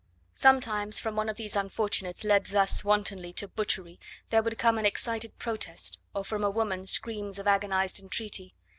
Sometimes from one of these unfortunates led thus wantonly to butchery there would come an excited protest, or from a woman screams of agonised entreaty.